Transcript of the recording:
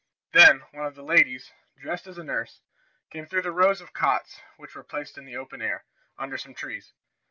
Then one of the ladies, dressed as a nurse, came through the rows of cots which were placed in the open air, under some trees.